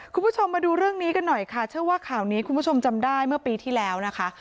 คุณผู้ชมมาดูเรื่องนี้กันหน่อยค่ะเชื่อว่าข่าวนี้คุณผู้ชมจำได้เมื่อปีที่แล้วนะคะ